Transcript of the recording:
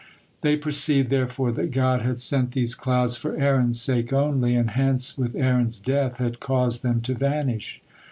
They perceived, therefore, that God had sent these clouds for Aaron's sake only, and hence, with Aaron's death, had caused them to vanish.